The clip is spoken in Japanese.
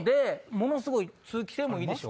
ものすごい通気性もいいでしょ？